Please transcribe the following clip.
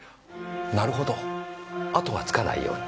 なるほど跡はつかないように。